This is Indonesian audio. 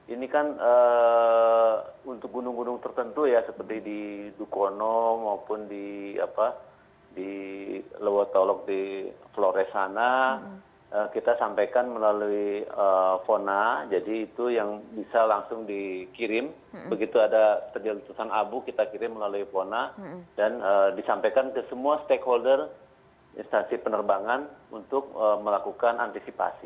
ini kan untuk gunung gunung tertentu seperti di dukwono maupun di lewa tawlog di flores sana kita sampaikan melalui fona jadi itu yang bisa langsung dikirim begitu ada keputusan abu kita kirim melalui fona dan disampaikan ke semua stakeholder instansi penerbangan untuk melakukan antisipasi